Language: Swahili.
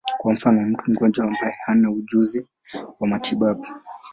Kwa mfano, mtu mgonjwa ambaye hana ujuzi wa matibabu.